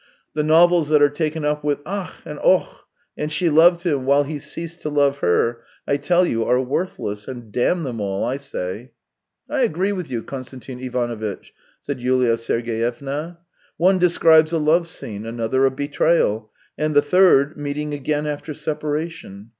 The novels that are taken up with ' Ach !' and ' Och !' and ' she loved him, while he ceased to love her,' I tell you, are worthless, and damn them all, I say !"" I agree with you, Konstantin Ivanovitch," said Yulia Sergeyevna. " One describes a love scene ; another, a betrayal ; and the third, meeting again after separation.